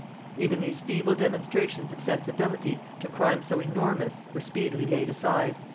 Even these feeble demonstrations of sensibility to crime so enormous were speedily laid aside.